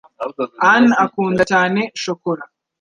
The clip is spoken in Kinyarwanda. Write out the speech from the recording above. Ann akunda cyane shokora